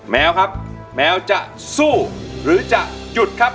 แมวครับแมวจะสู้หรือจะหยุดครับ